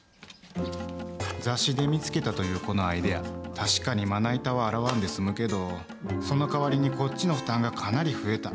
雑誌で見つけたというこのアイデア、確かにまな板は洗わんで済むけど、その代わりにこっちの負担がかなり増えた。